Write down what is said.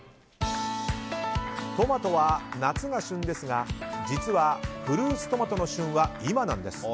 トマトは夏が旬ですが実は、フルーツトマトの旬は今なんです。